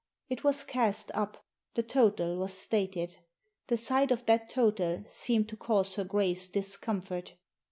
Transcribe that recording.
It was cast up. The total was stated. The sight of that total seemed to cause her Grace discomfort.